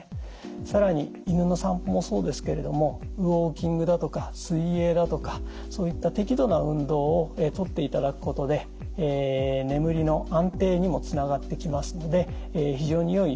更に犬の散歩もそうですけれどもウォーキングだとか水泳だとかそういった適度な運動をとっていただくことで眠りの安定にもつながってきますので非常によいルーティンだと思います。